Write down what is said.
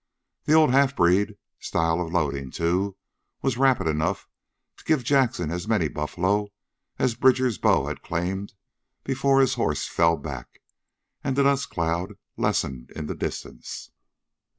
The old halfbreed style of loading, too, was rapid enough to give Jackson as many buffalo as Bridger's bow had claimed before his horse fell back and the dust cloud lessened in the distance.